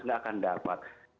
nggak akan dapat